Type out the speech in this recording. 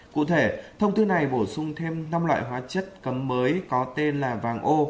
cụ thể thông tư này bổ sung thêm năm loại hóa chất cấm mới có tên là vàng ô